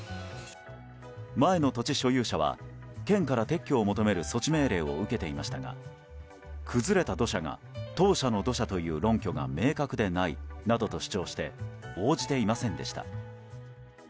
前の土地所有者は県から撤去を求める措置命令を受けていましたが崩れた土砂が当社の土砂という論拠が明確でないなどと主張して応じていませんでした。